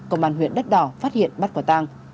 công an huyện đất đỏ phát hiện bắt quả tang